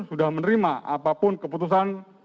sudah menerima apapun keputusan